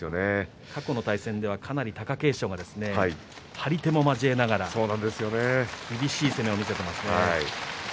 過去の対戦では貴景勝が張り手も交えながら厳しい相撲を見せています。